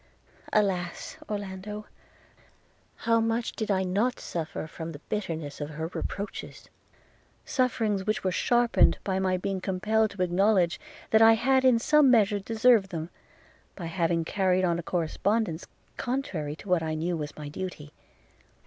– Alas! Orlando, how much did I not suffer from the bitterness of her reproaches! sufferings which were sharpened by my being compelled to acknowledge, that I had in some measure deserved them, by having carried on a correspondence contrary to what I knew was my duty.